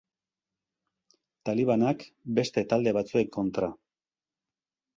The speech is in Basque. Talibanak beste talde batzuen kontra.